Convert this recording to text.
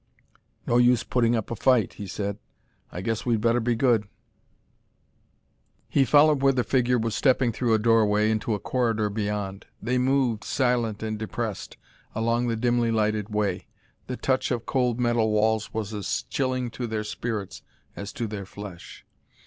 "No use putting up a fight," he said; "I guess we'd better be good." He followed where the figure was stepping through a doorway into a corridor beyond. They moved, silent and depressed, along the dimly lighted way; the touch of cold metal walls was as chilling to their spirits as to their flesh.